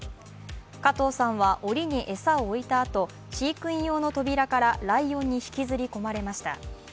加藤さんは、おりに餌を置いたあと、飼育員用の扉からライオンに引きずり込まれました。